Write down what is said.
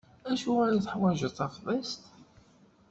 Acuɣer i teḥwaǧeḍ tafḍist?